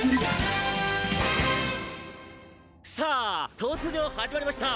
「さぁ突如始まりました！